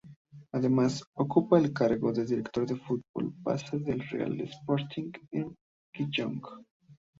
Además, ocupa el cargo de director del fútbol base del Real Sporting de Gijón.